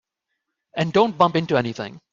And don't bump into anything.